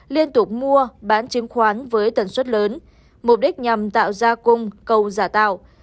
liên tục mua bán chứng khoán với tần suất lớn mục đích nhằm tạo ra cung cầu giả tạo